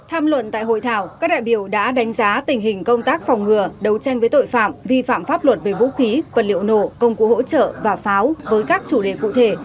tham luận tại hội thảo các đại biểu đã đánh giá tình hình công tác phòng ngừa đấu tranh với tội phạm vi phạm pháp luật về vũ khí vật liệu nổ công cụ hỗ trợ và pháo với các chủ đề cụ thể